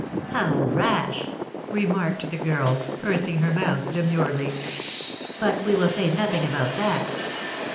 "How rash!" remarked the girl, pursing her mouth demurely. "But we will say nothing about that.